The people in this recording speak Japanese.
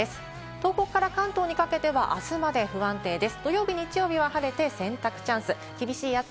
東北から関東にかけてはあすまで不安定です。